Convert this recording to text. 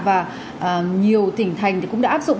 và nhiều tỉnh thành cũng đã áp dụng